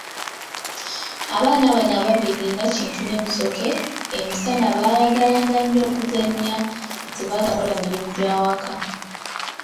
Abaana bano ababiri Nakintu ne Musoke, emisana baayagala nga nnyo okuzanya nga tebagala kukola mirimu gy'awaka.